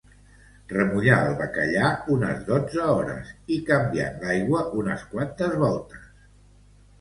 Remullar el bacallà unes dotze hores i canviant l'aigua unes quantes voltes